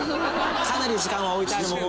「かなり時間は置いてあるものの」